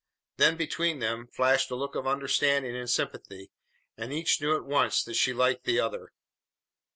Then between them flashed a look of understanding and sympathy, and each knew at once that she liked the other.